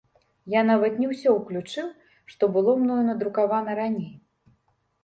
Я нават не ўсё ўключыў, што было мною надрукавана раней.